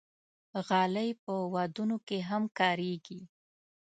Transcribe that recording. غالۍ په ودونو کې هم کارېږي.